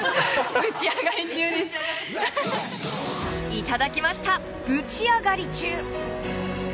いただきましたぶち上がり中！